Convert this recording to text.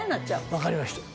わかりました。